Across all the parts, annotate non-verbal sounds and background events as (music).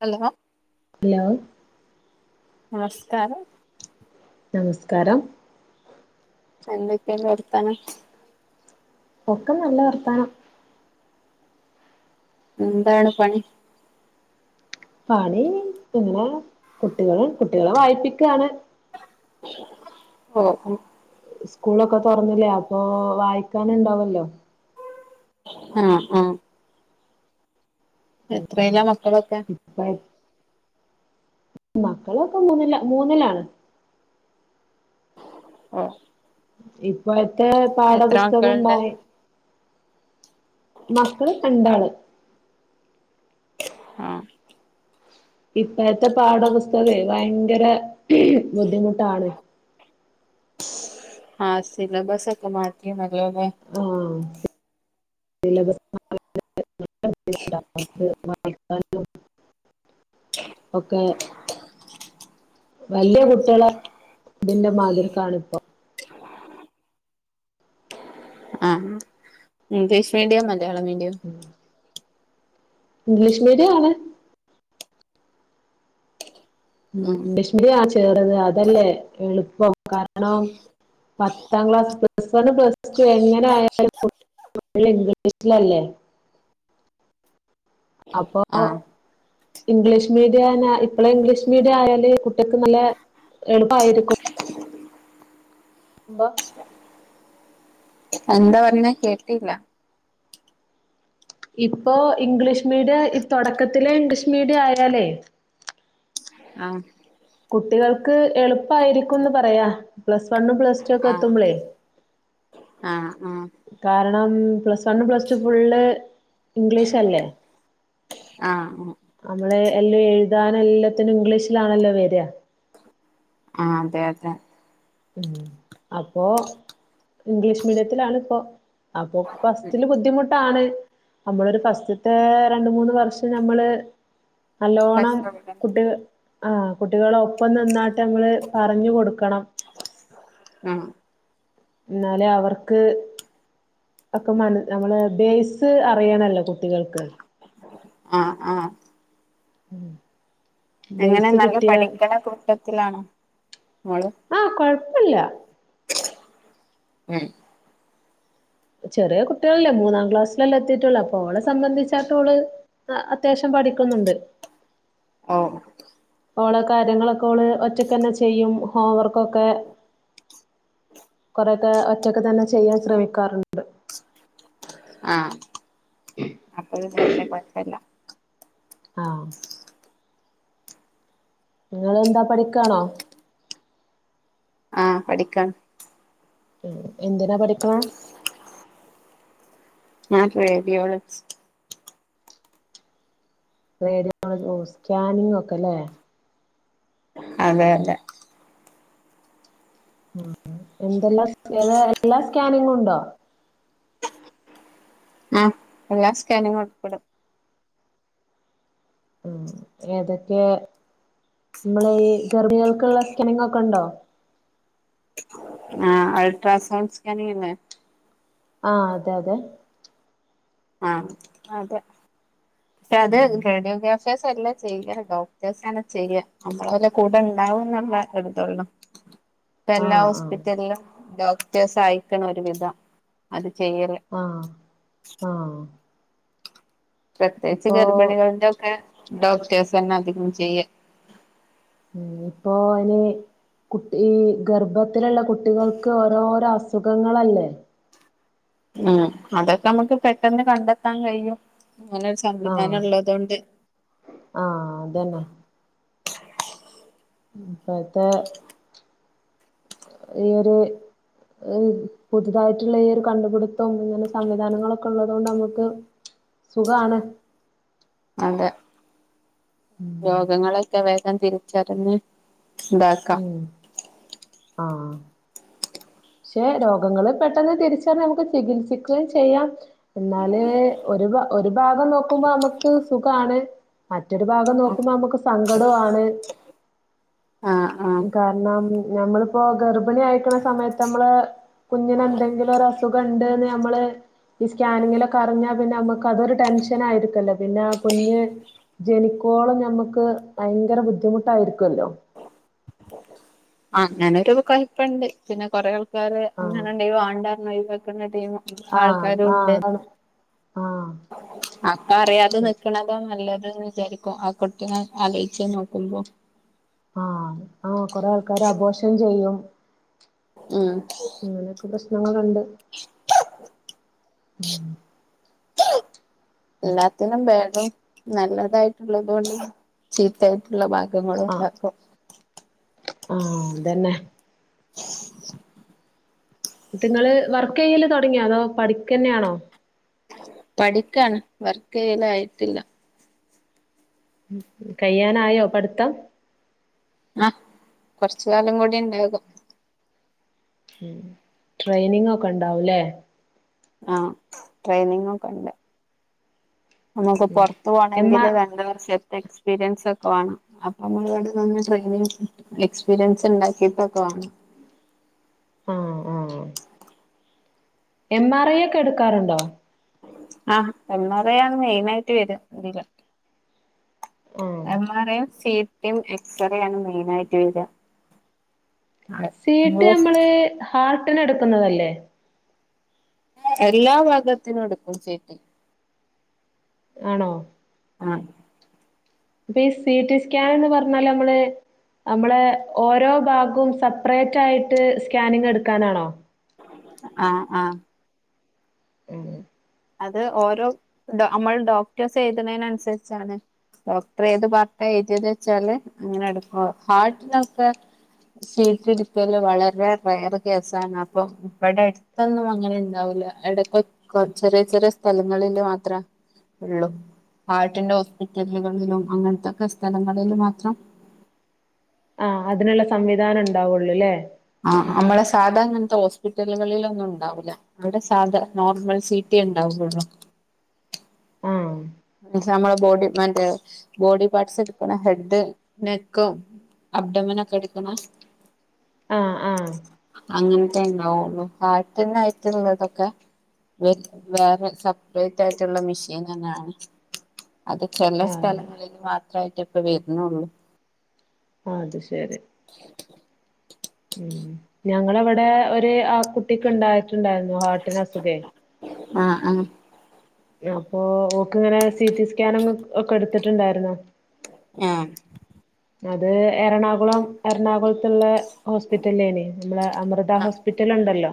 Hello hello നമസ്കാരം നമസ്കാരം എന്തൊക്കെണ്ട് വർത്താനം ഒക്കെ നല്ല വർത്താനം എന്താണ് പണി പണി ഇങ്ങനെ കുട്ടികളും കുട്ടികളെ വായിപ്പിക്കാണ് വക്കം സ്കൂളൊക്കെ തുറന്നില്ലേ അപ്പൊ വായിക്കാന ഉണ്ടാവല്ലോ ആഹ് ആഹ് എത്രയില്ല മക്കളൊക്കെ (inaudible) മക്കളൊക്കെ മൂന്നല്ല മൂന്നല്ലാണ് ഒഹ് ഇപ്പോഴത്തെ പാഠപുസ്തകം മക്കളുണ്ട് ഉണ്ടായി മക്കള് കണ്ടാള് ആഹ ഇപ്പോഴത്തെ പാഠപുസ്തകം ഭയങ്കര ബുദ്ധിമുട്ടാണ് ആസല്ല ബസക്കമാറ്റ മല്ലല്ല ആഹ സ (unintelligible) (inaudible) ഓക്ക വലിയ കുട്ടികളെ ഇതിന്റെ മാതിരി കാണ ഇപ്പോ ആം English medium Malayalam medium English medium ആണ് ഉ ഉം ലക്ഷ്മിയാ ചേറത് അതല്ലേ എളുപ്പം കാരണം പത്താം class plus one plus two എങ്ങനെ ആയാലും ഇംഗ്ലീഷിലല്ലേ അപ്പോ ആഹ് ഇംഗ്ലീഷ് മീഡിയ ഇപ്പളെ ഇംഗ്ലീഷ് മീഡിയം ആയാല് കുട്ടികക്ക് നല്ല എളുപ്പയിരിക്കും എമ്മ എന്താ പറഞ്ഞാ കേട്ടില്ല ഇപ്പോ ഇംഗ്ലീഷ് മീഡിയ ഈ തുടക്കത്തിലെ ഇംഗ്ലീഷ് മീഡിയ ആയാലേ ആഹ കുട്ടികൾക്ക് എളുപ്പായിരിക്കുംന്ന് പറയാ പ്ലസ് വണ്ണും പ്ലസ് ടു ഒക്കെ ആഹ എത്തുമ്പളേ ആഹ ആഹ. കാരണം plus one plus two full English അല്ലേ. ആഹ. നമ്മളെ എല്ലാം എഴുതാന എല്ലാത്തിനും ഇംഗ്ലീഷിലാണല്ലോ വരിക. ആ അതെ അതെ. ഉം അപ്പൊ ഇംഗ്ലീഷ് മീഡിയത്തിലാണ് ഇപ്പോൊ. അപ്പൊ ഫസ്റ്റില് ബുദ്ധിമുട്ടാണ്. നമ്മളൊരു ഫസ്റ്റത്തെ രണ്ട മൂന്ന് വർഷം നമ്മള് നല്ലോണം കഷ്ടപ്പെടാ കുട്ടിക ആ കുട്ടികള ഒപ്പം നന്നായിട്ട് ങ്ങള് പറഞ്ഞു കൊടുക്കണം. ആഹ എന്നാലെ അവർക്ക് ഒക്കെ മ നമ്മള് ബേസ് അറിയാനല്ലോ കുട്ടികൾക്ക്. ആ് ആഹ (inaudible) എങ്ങനെ ബേസ് നല്ല കിട്ടിയ പഠിക്കണ കൂട്ടത്തിലാണോ നമ്മോള് ആഹ കൊഴപ്പില്ല ഉം ചെറിയ കുട്ടികളല്ലേ മൂന്നാം ക്ലാസ്സിലല്ലാം എത്തിയിട്ടുള്ളൂ അപ്പൊ അവളെ സംബന്ധിച്ചാട്ടോള് ആ അത്യാവശ്യം പഠിക്കുന്നുണ്ട്. ഓ അവഓള് കാര്യങ്ങളൊക്കെ അവഓള് ഒറ്റക്ക് തന്നെ ചെയ്യും ഹോംവർക്കൊക്കെ കുറെേൊക്കെ ഒറ്റക്കെ തന്നെ ചെയ്യാൻ ശ്രമിക്കാറുണ്ട്. ആഹ അപ്പൊ നല്ല കുഴപ്പല്ല. ആഹ നിങ്ങ എന്താ പഠിക്കാണോ. ആഹ പഠിക്കൻ. എന്തിനാ പഠിക്കണ. ഞാൻ റേഡിയോളജിസ്റ്റ്. റേഡിയോളജി സ്കാനിങ്ങ ഒക്കെ അല്ലേ. അതെ അതെ ഉ എന്തെല്ലാം ഏ എല്ലാ സ്കാനിങ്ങും ഉണ്ടോ. ആഹ് എല്ലാ സ്കാനിങ്ങും ഉൾപ്പെടും. ഉ ഏതൊക്കെ നമ്മൾ ഈ ഗർഭികൾക്കുള്ള സ്കാനിങ്ങ ഒക്കെ ഉണ്ടോ. ആ അൾട്രാസൗണ്ട് സ്കാനിങ് അല്ലേ. ആ അതെ അതെ ആഹ അതെ പക്ഷെ അത് റേഡിയോ. ഡോക്ടേഴ്സ് എല്ലാം ചെയ്യട്ടൊ ഡോക്ടേഴ്സ് തന്നെ ചെയ്യുക നമ്മള വല കൂടെ ഉണ്ടാവും എന്ന ഒരിതള്ളൂ. (inaudible) ഇ എല്ലാ ആഹ് ആഹ് ഹോസ്പിറ്റലിലും ഡോക്ടേഴ്സ് ആയിക്കണ ഒരു വിധം അത് ചെയ്യല്. ആഹ ആഹ പ്രത്യേകിച്ച് ഗർഭിണികളുടെ ഒക്കെ ഡോക്ടേഴ്സ് തന്നെ അധികം ചെയ്യുക. ഇനിഇപ്പോ അയിന് കുട്ടി ഈ ഗർഭത്തിലുള്ള കുട്ടികൾക്ക് ഓരോരോ അസുഖങ്ങളല്ലേ. ഉം അതൊക്കെ നമ്മുക്ക് പെട്ടെന്ന് കണ്ടെത്താൻ കഴിയും അങ്ങനൊരു സംവിധാനം ഉള്ളതൊണ്ട്. ആഹ അതന്നെ ഇപ്പോഴത്തെ ഈ ഒരു പുതുതായിട്ടുള്ള ഈ ഒരു കണ്ടുപിടുത്തം ഇങ്ങനെ സംവിധാനങ്ങളൊക്കെ ഉള്ളത് കൊണ്ട് നമുക്ക് സുഖാണ് അതെ രോഗങ്ങള്യെക്കെ വേഗം തിരിച്ചറിഞ്ഞ് ഉണ്ട ഉം ആ പക്ഷെ രോഗങ്ങള് പെട്ടെന്ന് തിരിച്ചറിഞ്ഞ് നമുക്ക് ചികിത്സിക്കുകയും ചെയ്യാം എന്നാല് ഒരു ഒരു ഭാഗം നോക്കുമ്പോ അമക്ക് സുഖാണ് മറ്റൊരു ഭാഗം നോക്കുമ്പോ നമുക്ക് സങ്കട്വാണ് ആഹ് ആഹ് കാര്ണം ഞമ്മളിപ്പോ ഗർഭിണി അയിക്ക്ണ സമയത്ത് ഞമ്മള് കുഞ്ഞിന് എന്തെങ്കിലും ഒരു അസുഖ ഇണ്ട്ന്ന് ഞമ്മള് ഈ സ്കാനിങ്ങിലൊക്കെ അറിഞ്ഞാ പിന്നെ അമ്മക്ക് അതൊരു ടെൻഷൻ ആയിരിക്കൊല്ലോ പിന്നെ കുഞ്ഞ് ജനിക്കോളം ഞമ്മക്ക് ഭയങ്കര ബുദ്ധിമുട്ടായിരിക്കൊല്ലോ. അങ്ങനൊരു കൊഴപ്പണ്ട്. പിന്നെ കൊറെ ആൾക്കാര് ആഹ് അങ്ങനെണ്ടെ വാണ്ടാറ്ന്ന് ഒഴിവാക്ക്ണ ടീമ് ആഹ് ആൾക്കാരു ആഹ് ഉണ്ട് അതാണ് ആഹ് ആപ്പ അറിയാതെ നിക്ക്ണതാ നല്ലത് ന്ന് വിചാരിക്കും. ആ കുട്ടിനെ ആലോയ്ച്ച് നോക്കുമ്പോ. ആഹ് ആഹ് കൊറേ ആൾക്കാര് അബോർഷൻ ചെയ്യും ഉം ഇങ്ങനെയൊക്കെ പ്രശ്നങ്ങളുണ്ട് എല്ലാത്തിനും വേഗം നല്ലതായിട്ടുള്ളതുണ്ട് ചീത്തായിട്ടുള്ള ഭാഗ ങ്ങളു ആഹ് ഉണ്ടാക്കും ആഹ് അതെന്നെ (inaudible) ഇപ്പിങ്ങള് വർക്ക് ചെയ്യല് തൊടങ്ങ്യാെ അതോ പഠിക്കെന്നേണോ പഠിക്കാണ് വർക്ക് ചെയ്യല് ആയിട്ടില്ല കയ്യാനായോ പഠ്ത്തം ആഹ് കൊറച്ച്കാലം കൂടി ഉണ്ടാകും ഉം ട്രെയിനിങ്ങൊക്കെ ഉണ്ടാവൂലെ ആഹ് ട്രെയിനിങ്ങൊക്കെ ഉണ്ട് നമുക്ക് ഉം പൊറ്ത്ത് എം പോവണങ്കില് ആർ രണ്ട് വർഷ എക്സ്പീരിയൻസ് ഒക്കെ വാണം. അപ്പൊ (unintelligible) ഇവിടെ നിന്ന് ട്രെയിനി എക്സ്പീരിയൻസ് ഇണ്ടാക്കിട്ടൊക്കവാണം ആഹ് ആഹ് എം ആർ ഐ ഒക്കെ എടുക്കാറുണ്ടോ ആഹ് എം ആർ ഐ ആണ് മെയിനായിട്ട് വെര ഇതില് ആഹ് M R M, C T, x-ray ആണ് മെയിൻ ആയിട്ട് വെര സീട്ടി അമ്മള് ഹാർട്ടിന് എടുക്കുന്നതല്ലേ എല്ലാ ഭഗത്തിനും എടുക്കും സി റ്റി ആണോ ആഹ് ഇപ ഈ സി ടി സ്കാൻ എന്ന് പറഞ്ഞാല് നമ്മള് നമ്മളെ ഓരോ ഭാഗവും സെപ്പറേറ്റ് ആയിട്ട് സ്കാനിങ് എടുക്കാനാണോ ആഹ് ആഹ് ഉം അത് ഓരോ ഡോ അമ്മൾ ഡോക്ടേഴ്സ് എഴുതുണേന് അനുസരിച്ചാണ് ഡോക്ടർ ഏത് പാർട്ട എഴുതിയത് വെച്ചാല് അങ്ങനെ എടുക്കു ഹാട്ട്നൊക്കെ സി ട്ടി ഇട്ക്കല് വളരെ റെയറ് കേസാണ് അപ്പൊ ഇവടെ ടൊന്നും അങ്ങനെ ഉണ്ടാവൂല്ല എടകൊ ചെറിയ ചെറിയ സ്ഥലങ്ങളില് മാത്രാ ഇള്ളു ഹാർട്ടിന്റെ ഹോസ്പിറ്റലുകളിലും അങ്ങനത്തക്കെ സ്ഥലങ്ങളിലും മാത്രം ആഹ് അതിനുള്ള സംവിധാനം ഇണ്ടാവൊള്ളൂ ല്ലേ ആഹ് അമ്മള സാധാ ഇങ്ങൻത്തെ ഹോസ്പിറ്റലുകളിലൊന്നും ഉണ്ടാവുല്ല. അവിടെ സാധ നോർമൽ സീ റ്റി യെ ഇണ്ടാവുള്ളൂ ആഹ് ന്ന് വെച്ച നമ്മടെ ബോഡിമന്റെ ബോഡി പാർട്സ് എടുക്കണ ഹെഡ് നെക്കും അബ്ടമനൊക്ക എടുക്കണ ആഹ് ആഹ് അങ്ങനത്തെ ഇണ്ടാവുള്ളു ഹാർട്ടനായിട്ടുള്ളതൊക്കെ വേ വേറെ സെപ്പറേറ്റ് ആയിട്ടുള്ള മിഷീൻ തന്നാണ് അത് ചെല ആഹ് സ്ഥലങ്ങളിൽ മാത്രായിട്ട് ഇപ്പ വരുണുള്ളൂ ആഹ് അത്ശരി ഉം ഞങ്ങളവിടെ ഒരു ആഹ് കുട്ടിക്ക് ഉണ്ടായിട്ടുണ്ടായിരുന്നു ഹാർട്ടിന് അസുഖേ ആഹ് ആഹ് അപ്പൊ ഓക്ക് ഇങ്ങനെ സി റ്റി സ്കാനിങ് ഒക്കെ എടുത്തിട്ടുണ്ടാരുന്നോ ആഹ് അത് എറണാകുളം എറണാകുളത്തുള്ള ഹോസ്പിറ്റലേന് നമ്മള അമൃത ഹോസ്പിറ്റല് ഉണ്ടല്ലോ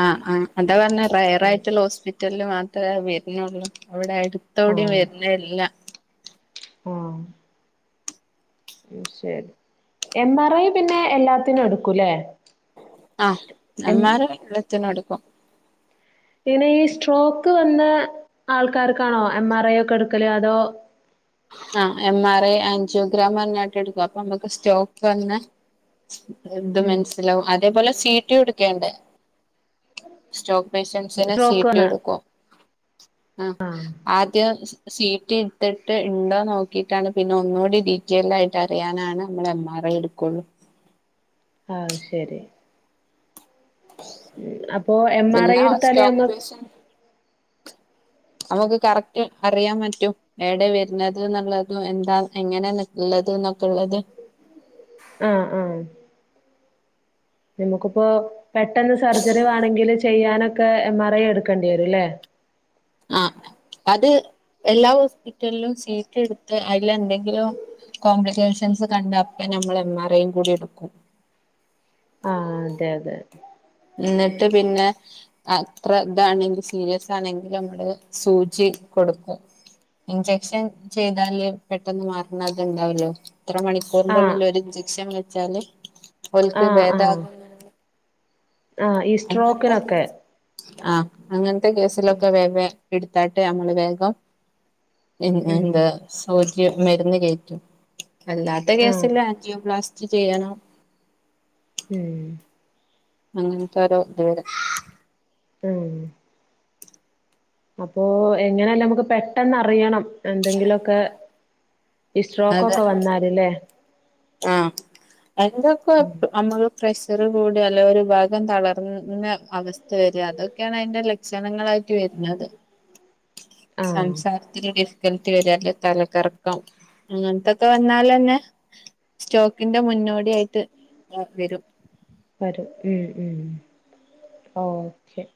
ആഹ് ആഹ് അതാ പറഞ്ഞ റെയർ ഉം. ആയിട്ടുള്ള ഹോസ്പി റ്റല് മാത്ര വരുണുള്ളൂ അവിടെ അടുത്തെവിടേം ആഹ് വരുന്നില്ല ആഹ് ഉം ശരി എം ആർ ഐ പിന്നെ എല്ലാത്തിനും എടുക്കൂല്ലേ ആഹ് എം ആർ ഐ എല്ലത്തിനും എടുക്കും പിന്നെ ഈ സ്ട്രോക്ക് വന്ന ആൾക്കാർക്കാണോ എം ആർ ഐ ഒക്കെ എടുക്കല് അതോ ആഹ് എം ആർ ഐ ആഞ്ചിയോഗ്രാം പറഞ്ഞിട്ട് എടുക്കും അപ്പൊ നമ്മുക്ക് സ്റ്റോക്ക് വന്ന സ്പ്രെഡ് ഉം മനസ്സിലാവും അതേപോലെ സീ റ്റി എടുക്കേണ്ട് സ്ട്രോക്ക് പേഷ്യൻസിന് സീ സ്ട്രോക്ക് റ്റി വന്ന എടുക്കും ആഹ് ആദ്യ സീ റ്റി ഇട്ട ട്ട് ഇണ്ടോ നോക്കിട്ടാണ് പിന്നെ ഒന്നുകൂടി ഡീറ്റെയിൽഡായിട്ട് അറിയാനാണ് നമ്മൾ എം ആർ ഐ എടുക്കുള്ളൂ അത്ശരി ഉം അപ്പോ എം ആർ ഐ പിന്നെ എടുത്താലേ സ്റ്റോക്ക് നമ്മ നമ്മക്ക് കറക്റ്റ് അറിയാൻ പറ്റും ഏടെ വര്ന്നത്ന്നുള്ളതു എന്താ എങ്ങനെള്ളത് എന്നൊക്കെള്ളത്. ആഹ് ആഹ്. നമുക്കിപ്പോ പെട്ടെന്ന് സർജറി വേണങ്കില് ചെയ്യാനൊക്കെ എം ആർ ഐ എടുക്കേണ്ടി വരുംല്ലേ? ആഹ് അത് എല്ലാ ഹോസ്പിറ്റൽലും സീറ്റി എടുത്ത് അതിൽ എന്തെങ്കിലും. കോംപ്ലിക്കേഷൻസ് കണ്ട അപ്പ നമ്മൾ എം ആർ ഐയും കൂടി എടുക്കും. ആഹ് അതെ അതെ. ഇന്നിട്ട് പിന്നെ. അത്ര ഇതാണെങ്കി സീരിയസ് ആണെങ്കിൽ നമ്മള് സൂജി കൊടുക്കും ഇൻജക്ഷൻ ചെയ്താല് പെട്ടെന്ന് മാർണത് ഇണ്ടാവല്ലോ ഇത്ര മണി. ആഹ് ക്ക്റിനുള്ളിൽ ഒര്ഞ്ചക്ഷൻ വെച്ചാല് ഓൽക്ക് ആഹ് ഭേദാ ആഹ് ആഹ് ഈ അങ്ങൻത്തൊക്കെ സ്ട്രോക്കിനൊക്കെ ആഹ് അങ്ങൻത്തെ കേസിലൊക്കെ വേംവേ. ഇട്ത്താട്ട് അമ്മള് വേഗം എൻ ഉം എന്താ ഓർക് മരുന്ന് കേറ്റും അല്ലാത്ത ആഹ് കേസ്ൽ ആൻജിയോപ്ലാസ്റ്റി ചെയ്യണം. ഉം. അങ്ങൻത്തോരെ ഇത് വരാ. ഉം. അപ്പൊ എങ്ങനെയാലും നമുക്ക് പെട്ടെന്ന് അറിയണം എന്തെങ്കിലുംക്കെ. ഈ അതെ സ്ട്രോക്കൊക്കെ വന്നാൽല്ലേ? ആഹ് അയ്ന്റൊക്കെ ഉം നമ്മള്. പ്രഷർ കൂടാ അല്ലെ ഒരു ഭാഗം തളർന്ന അവസ്ഥ വരിക അതൊക്കെയാണ് അയ്ന്റെ ല ക്ഷണങ്ങളായിട്ട് വരുന്നത് ആഹ് സംസാരത്തിൽ. ൽറ്റ് വരാ തലക്കറക്കം അങ്ങനത്തൊക്കെ വന്നാലന്നെ. സ്റ്റോക്കിന്റെ മുന്നോടിയായിട്ട് ഹ് വരും വരും ഉം ഉംഓക്കെ